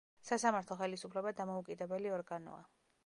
სასამართლო ხელისუფლება დამოუკიდებელი ორგანოა.